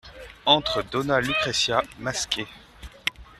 Entre dona Lucrezia, masquée.